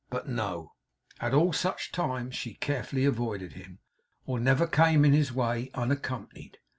But no; at all such times she carefully avoided him, or never came in his way unaccompanied.